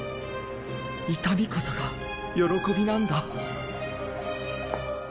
痛みこそが喜びなんだ。